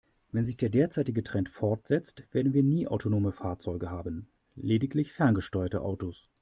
Wenn sich der derzeitige Trend fortsetzt, werden wir nie autonome Fahrzeuge haben, lediglich ferngesteuerte Autos.